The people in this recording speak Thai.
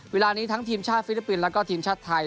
เวลานี้ทั้งทีมชาติฟิลิปปินส์แล้วก็ทีมชาติไทย